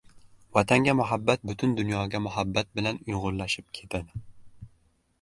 Vatanga muhabbat butun dunyoga muhabbat bilan uyg‘unlashib ketadi.